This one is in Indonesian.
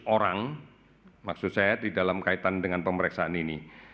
enam lima ratus orang maksud saya di dalam kaitan dengan pemeriksaan ini